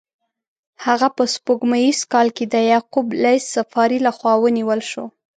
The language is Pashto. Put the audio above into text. هغه په سپوږمیز کال کې د یعقوب لیث صفاري له خوا ونیول شو.